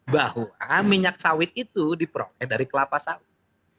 bahwa minyak sawit itu diperoleh dari kelapa sawit